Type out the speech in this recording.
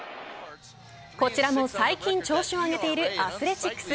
こちらも最近調子を上げているアスレチックス。